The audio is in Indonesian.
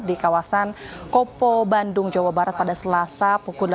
di kawasan kopo bandung jawa barat pada selasa pukul delapan belas tiga puluh lima